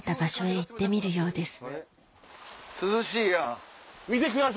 涼しいやん。